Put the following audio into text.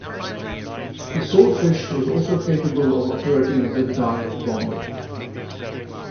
The Swordfish was also capable of operating as a dive-bomber.